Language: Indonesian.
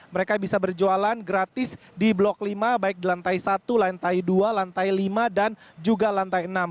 mereka bisa berjualan gratis di blok lima baik di lantai satu lantai dua lantai lima dan juga lantai enam